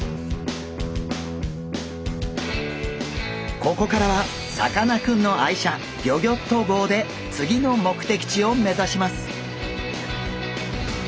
ここからはさかなクンの愛車ギョギョッと号で次の目的地を目指します。